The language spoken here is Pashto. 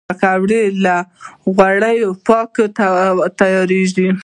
پکورې له غوړیو پاکې هم تیارېږي